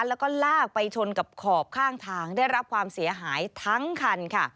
แล้วก็ลากไปชนกับขอบข้างทางได้รับความเสียหายทั้งคันค่ะ